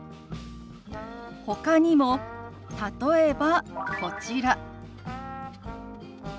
ほかにも例えばこちら。